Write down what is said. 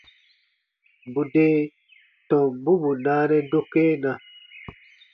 Bù de tombu bù naanɛ dokena.